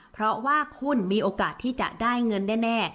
เพราะว่าคุณมีโอกาสที่จะได้เงินแน่